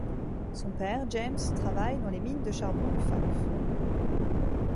Son père, James, travaille dans les mines de charbon du Fife.